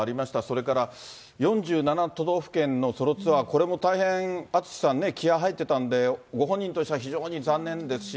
それから４７都道府県のソロツアー、これも大変ＡＴＳＵＳＨＩさんね、気合い入ってたんで、ご本人としたら非常に残念ですし、